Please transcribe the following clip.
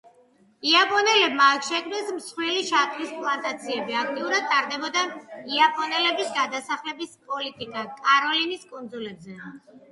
იაპონელებმა აქ შექმნეს მსხვილი შაქრის პლანტაციები, აქტიურად ტარდებოდა იაპონელების გადასახლების პოლიტიკა კაროლინის კუნძულებზე.